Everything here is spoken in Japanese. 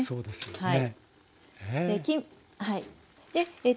はい。